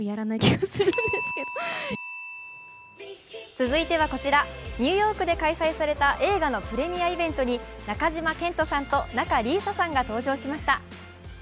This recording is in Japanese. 続いてはこちらニューヨークで開催された映画のプレミアイベントに中島健人さんと仲里依紗さんが登場しました。